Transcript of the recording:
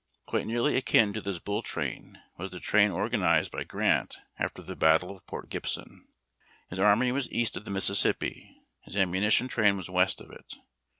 Quite nearly akin to this Bull Train was the train organ ized bv Grant after the battle of Port Gibson. His army was east of the Mississippi, his ammunition train was west of it.